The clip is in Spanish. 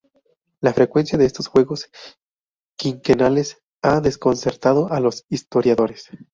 La frecuencia de estos juegos "quinquenales" ha desconcertado a los historiadores.